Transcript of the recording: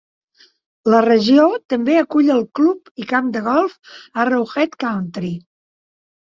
La regió també acull el club i camp de golf Arrowhead Country.